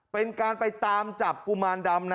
เป็นการไปตามจับกุมารดำนะ